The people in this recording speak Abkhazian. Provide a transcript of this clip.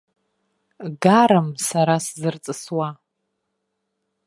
Гарам сара сзырҵысуа.